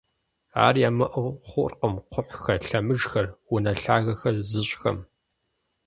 Ар ямыӀэу хъуркъым кхъухьхэр, лъэмыжхэр, унэ лъагэхэр зыщӀхэм.